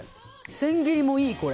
千切りもいい、これ。